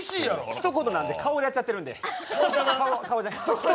ヒトコトなんで、顔でやっちゃってるんで。